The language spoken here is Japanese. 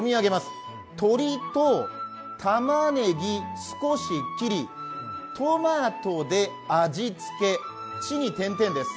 鶏とたまねぎ、少し切り、トマトで味付け、ちに点々です。